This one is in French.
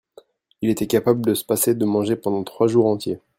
Il était capable de se passer de manger pendant trois jours entier.